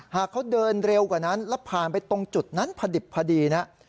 หากเขาเดินเร็วกว่านั้นแล้วผ่านไปตรงจุดนั้นพอดิบพอดีนะ